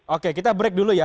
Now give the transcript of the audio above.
oke kita break dulu ya